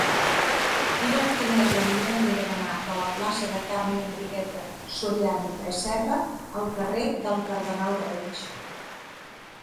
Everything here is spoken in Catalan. Mira'm quina és la millor manera d'anar de la plaça de Carme i Enriqueta Soriano i Tresserra al carrer del Cardenal Reig.